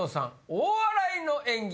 大笑いの演技。